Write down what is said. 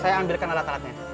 saya ambilkan alat alatnya